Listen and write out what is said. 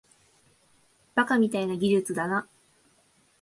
バカみたいな技術だな